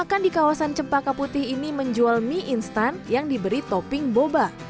makan di kawasan cempaka putih ini menjual mie instan yang diberi topping boba